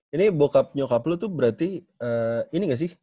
ini bokap nyokap lo tuh berarti ini gak sih